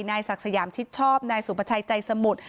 นายศักจะญามชิดชอบนายสูประชายใจสมุทธ์